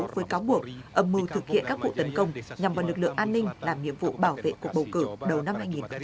với cáo buộc âm mưu thực hiện các vụ tấn công nhằm vào lực lượng an ninh làm nhiệm vụ bảo vệ cuộc bầu cử đầu năm hai nghìn hai mươi bốn